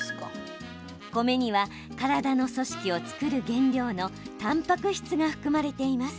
米には体の組織を作る原料のたんぱく質が含まれています。